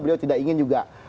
beliau tidak ingin juga